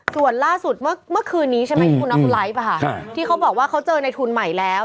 ส่วนล่าสุดเมื่อคืนนี้ใช่ไหมที่คุณน็อตบอกว่าเขาเจอในทุนใหม่แล้ว